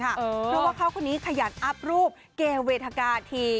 เพราะว่าเขาคนนี้ขยันอัพรูปเกเวทกาที